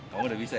kamu udah bisa ya